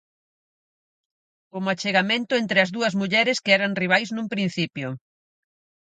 Como o achegamento entre as dúas mulleres que eran rivais nun principio.